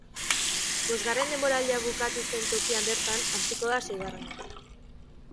Bosgarren denboraldia bukatu zen tokian bertan hasiko da seigarrena.